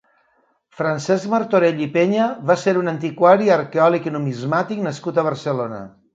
Francesc Martorell i Peña va ser un antiquari, arqueòleg i numismàtic nascut a Barcelona.